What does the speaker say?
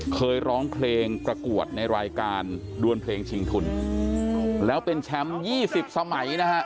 เคยร้องเพลงประกวดในรายการดวนเพลงชิงทุนแล้วเป็นแชมป์๒๐สมัยนะฮะ